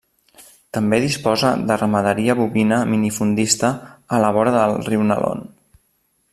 També disposa de ramaderia bovina minifundista a la vora del Riu Nalón.